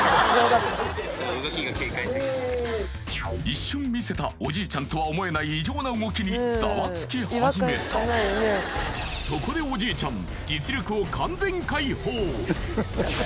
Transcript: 一瞬見せたおじいちゃんとは思えない異常な動きにザワつき始めたそこでおじいちゃん